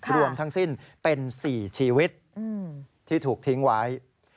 รวมทั้งสิ้นเป็น๔ชีวิตที่ถูกทิ้งไว้